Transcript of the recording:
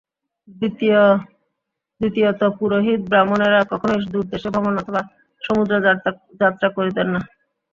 দ্বিতীয়ত পুরোহিত ব্রাহ্মণেরা কখনই দূরদেশে ভ্রমণ অথবা সমুদ্রযাত্রা করিতেন না।